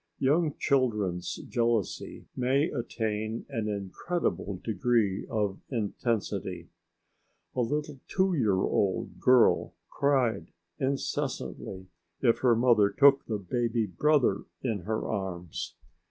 Young children's jealousy may attain an incredible degree of intensity. A little two year old girl cried incessantly if her mother took the baby brother in her arms.